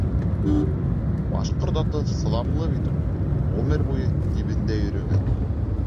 — Башҡорт аты сыҙамлы бит ул, ғүмер буйы тибендә йөрөгән.